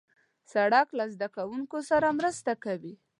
سړک له زدهکوونکو سره مرسته کوي.